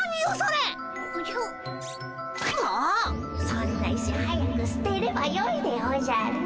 そんな石早くすてればよいでおじゃる。